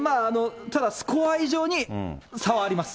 ただスコア以上に差はあります。